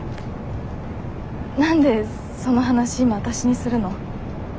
何でその話今わたしにするの？